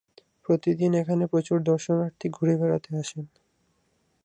প্রতিদিন এখানে প্রচুর দর্শনার্থী ঘুরে বেড়াতে আসেন।